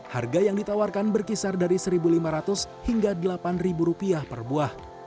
harga yang ditawarkan berkisar dari seribu lima ratus hingga delapan ribu rupiah per buah